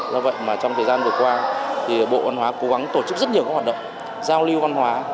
do vậy mà trong thời gian vừa qua thì bộ văn hóa cố gắng tổ chức rất nhiều các hoạt động giao lưu văn hóa